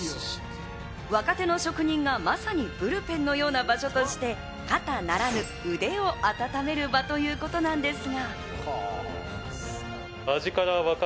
若手の職人がまさにブルペンのような場所として肩ならぬ腕を温める場ということなんですが。